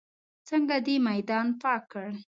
څنګه دې میدان پاک کړ.